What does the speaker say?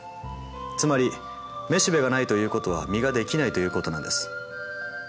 つまりめしべがないということは実ができないということなんです。